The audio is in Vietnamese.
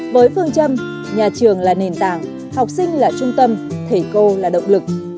với phương châm nhà trường là nền tảng học sinh là trung tâm thầy cô là động lực